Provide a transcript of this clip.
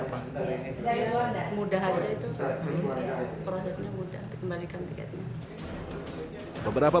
mudah aja itu prosesnya mudah dikembalikan tiketnya